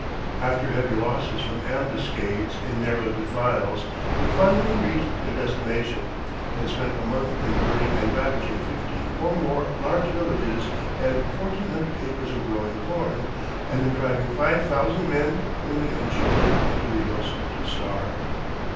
After heavy losses from ambuscades in narrow defiles, they finally reached their destination, and spent a month in burning and ravaging fifteen or more large villages and fourteen hundred acres of growing corn, and in driving five thousand men, women, and children into the hills to starve.